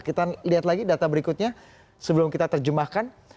kita lihat lagi data berikutnya sebelum kita terjemahkan